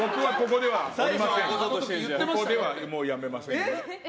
僕は、ここではもう辞めません。